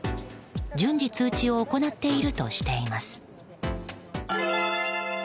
順次、通知を行っているとしています。